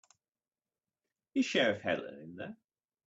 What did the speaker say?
Is Sheriff Helen in there?